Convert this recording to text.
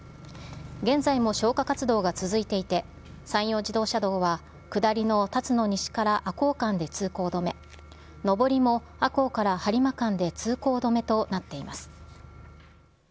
現在も消火活動が続いていて、山陽自動車道は下りの龍野西から赤穂間で通行止め、上りも赤穂から播磨間で通行止めとなっています。